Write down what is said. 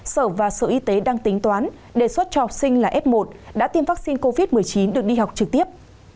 sở và sở y tế đang tính toán đề xuất cho học sinh là f một đã tiêm vaccine covid một mươi chín được đi học trực tiếp